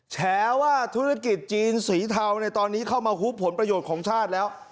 แฉว่าธุรกิจจีนสีเทาในตอนนี้เข้ามาฮุบผลประโยชน์ของชาติแล้ว